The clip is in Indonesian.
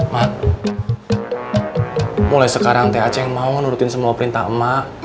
mat mulai sekarang teh aceh mau nurutin semua perintah emak